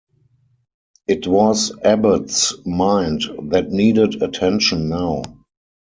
It was Abbott's mind that needed attention now.